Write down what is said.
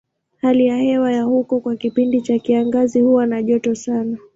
Hali ya hewa ya huko kwa kipindi cha kiangazi huwa na joto sana.